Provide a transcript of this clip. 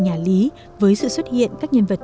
nhà lý với sự xuất hiện các nhân vật